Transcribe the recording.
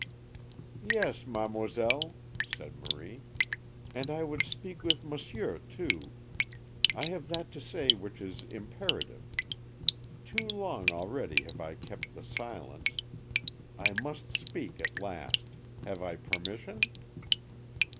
"Yes, mademoiselle," said Marie, "and I would speak with monsieur too. I have that to say which is imperative. Too long already have I kept the silence. I must speak at last. Have I permission?"